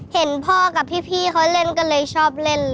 เห็นพ่อกับพี่เขาเล่นก็เลยชอบเล่น